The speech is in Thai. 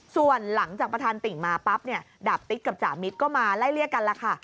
ส่วนหลังจากประธานติ่งมาปั๊บเนี่ยดาบติ๊กกับจ่ามิตรก็มาไล่เลี่ยกันแล้วค่ะ